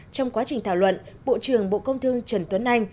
trong quá trình thảo luận bộ trưởng bộ công thương trần tuấn anh